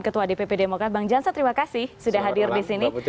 ketua dpp demokrat bang jansen terima kasih sudah hadir di sini